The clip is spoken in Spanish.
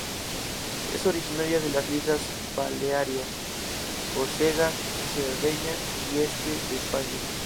Es originaria de las Islas Baleares, Córcega, Cerdeña y este de España.